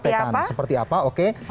langsung kita praktekkan seperti apa oke